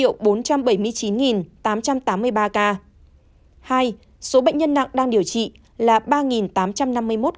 số bệnh nhân nặng đang điều trị là ba tám trăm năm mươi một ca